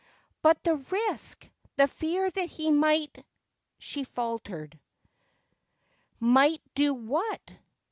'But the risk — the fear that he might ' she faltered. •Might do what'?'